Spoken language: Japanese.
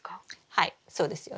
はいそうですよね。